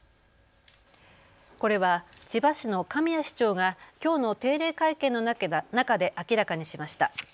これは千葉市の神谷市長がきょうの定例会見の中で明らかにしました。